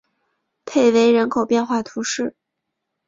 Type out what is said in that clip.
佩维人口变化图示